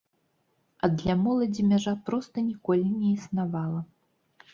А для моладзі мяжа проста ніколі не існавала.